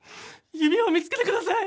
指輪を見つけて下さい！